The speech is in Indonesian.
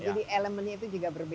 jadi elemennya itu juga berbeda